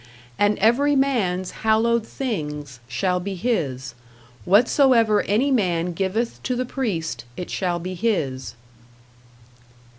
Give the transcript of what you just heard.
And every man's hallowed things shall be his: whatsoever any man giveth to the priest, it shall be his.